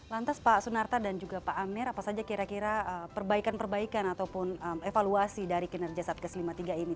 lantas pak sunarta dan juga pak amir apa saja kira kira perbaikan perbaikan ataupun evaluasi dari kinerja satgas lima puluh tiga ini